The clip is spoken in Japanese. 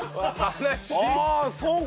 ああそうか。